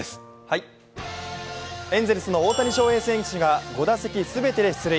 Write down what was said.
エンゼルスの大谷翔平選手が５打席すべてで出塁。